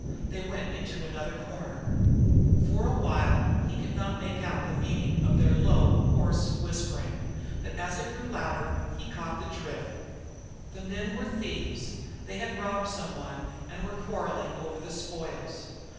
They went into another corner. For a while he could not make out the meaning of their low, hoarse whispering; but as it grew louder he caught the drift. The men were thieves; they had robbed someone and were quarrelling over the spoils.